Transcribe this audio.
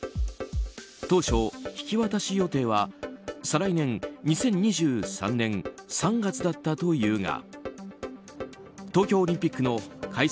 当初、引き渡し予定は再来年２０２３年３月だったというが東京オリンピックの開催